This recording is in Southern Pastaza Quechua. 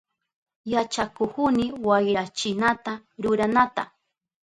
Yachakuhuni wayrachinata ruranata.